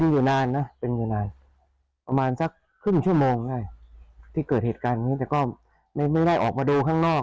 มีแสง่ากุ้มกุ้มนะกุ้มกุ้มรอยไปรอยมาอยู่แถวบริเวณหน้ารถแล้วก็